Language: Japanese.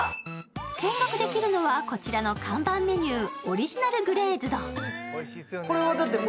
見学できるのはこちらの看板メニュー、オリジナル・グレーズド。